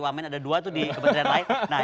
wamen ada dua itu di kementerian lain nah